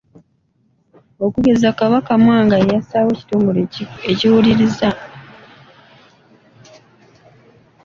Okugeza Kabaka Mwanga ye yassaawo ekitongole ekiwuliriza.